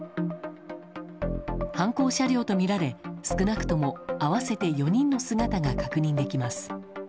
犯行車両とみられ、少なくとも合わせて４人の姿が確認できます。